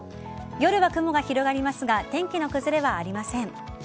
夜は雲が広がりますが天気の崩れはありません。